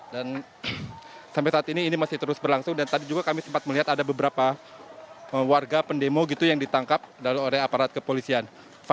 dan sampai saat ini ini masih terus berlangsung dan tadi juga kami sempat melihat ada beberapa warga pendemo gitu yang ditangkap oleh aparat kepolisian